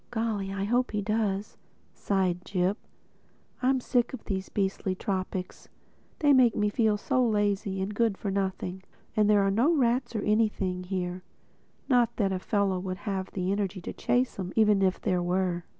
"Golly, I hope he does!" sighed Jip. "I'm sick of these beastly tropics—they make you feel so lazy and good for nothing. And there are no rats or anything here—not that a fellow would have the energy to chase 'em even if there were.